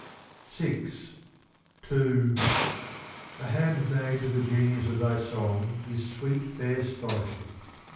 _ VI To A handmaid to the genius of thy song Is sweet, fair Scholarship.